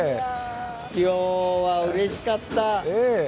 今日はうれしかった。